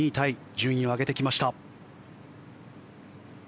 順位を上げてきました。